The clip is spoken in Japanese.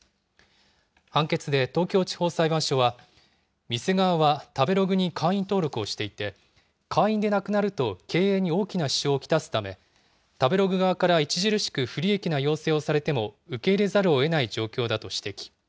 判決で東京地方裁判所は、店側は食べログに会員登録をしていて、会員でなくなると経営に大きな支障を来すため、食べログ側から著しく不利益な要請をされても受け入れざるをえない状況だと指摘。